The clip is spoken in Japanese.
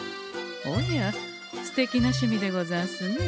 おやすてきな趣味でござんすね。